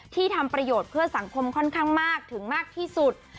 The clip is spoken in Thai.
ทำประโยชน์เพื่อสังคมค่อนข้างมากถึงมากที่สุด